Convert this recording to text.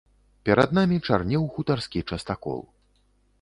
Перад намі чарнеў хутарскі частакол.